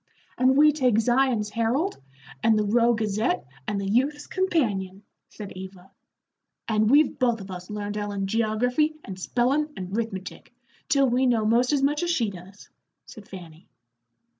"And we take Zion's Herald, and The Rowe Gazette, and The Youth's Companion," said Eva. "And we've both of us learned Ellen geography and spellin' and 'rithmetic, till we know most as much as she does," said Fanny.